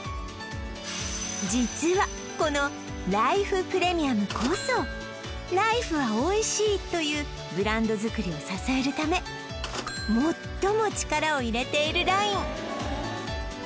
実はこのライフプレミアムこそ「ライフはおいしい」というブランド作りを支えるため最も力を入れているライン